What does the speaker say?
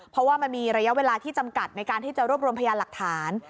เพราะว่ามันมีระยะเวลาที่จำกัดในการที่จะรวบรวมพยานหลักฐาน